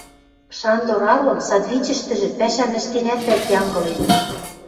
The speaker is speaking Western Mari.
Шандор Арон садвичӹштӹжӹ пӓшӓм ӹштенӓт вӓк янгылен.